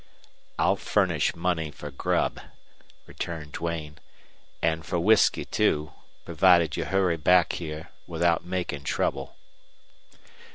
"I'll furnish money for grub," returned Duane. "And for whisky, too, providing you hurry back here without making trouble."